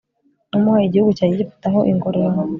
namuhaye igihugu cya egiputa ho ingororano